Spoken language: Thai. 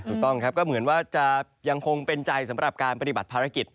ถูกต้องครับก็เหมือนว่าจะยังคงเป็นใจสำหรับการปฏิบัติภารกิจ